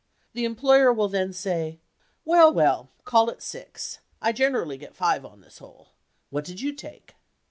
The employer will then say, "Well, well, call it six. I generally get five on this hole. What did you take?"